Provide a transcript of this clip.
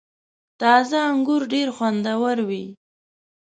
• تازه انګور ډېر خوندور وي.